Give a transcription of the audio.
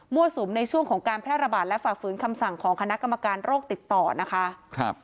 สุมในช่วงของการแพร่ระบาดและฝ่าฝืนคำสั่งของคณะกรรมการโรคติดต่อนะคะ